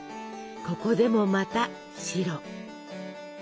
ここでもまた「白」。